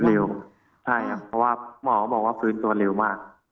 เร็วใช่ครับเพราะว่าหมอก็บอกว่าฟื้นตัวเร็วมาก